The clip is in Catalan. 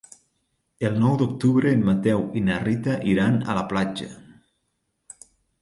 El nou d'octubre en Mateu i na Rita iran a la platja.